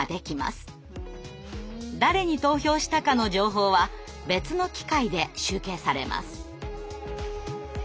誰に投票したかの情報は別の機械で集計されます。